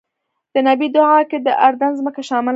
د نبی دعا کې د اردن ځمکه شامله ده.